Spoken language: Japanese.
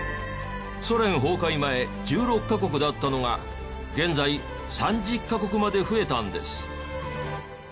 ソ連崩壊前１６カ国だったのが現在３０カ国まで増えたんです。